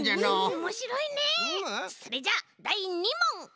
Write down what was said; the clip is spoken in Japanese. それじゃあだい２もん！